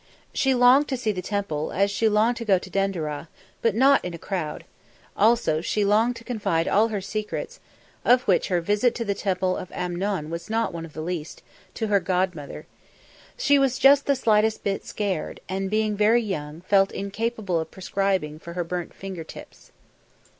She longed to see the Temple, as she longed to go to Denderah, but not in a crowd; also, she longed to confide all her secrets (of which her visit to the Temple of Amnon was not one of the least) to her godmother. She was just the slightest bit scared, and, being very young, felt incapable of prescribing for her burnt finger tips.